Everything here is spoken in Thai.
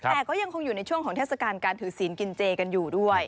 แต่ก็ยังคงอยู่ในช่วงของเทศกาลการถือศีลกินเจกันอยู่ด้วย